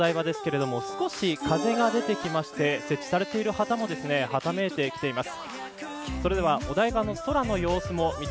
現在のお台場ですが少し風が出てきて設置されている旗もはためいています。